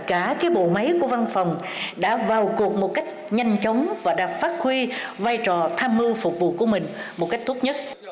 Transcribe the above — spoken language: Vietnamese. cả cái bộ máy của văn phòng đã vào cuộc một cách nhanh chóng và đã phát huy vai trò tham mưu phục vụ của mình một cách tốt nhất